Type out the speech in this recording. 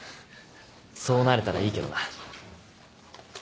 そうなれたらいいけどな。